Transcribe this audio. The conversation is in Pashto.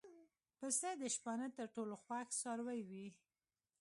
پسه د شپانه تر ټولو خوښ څاروی وي.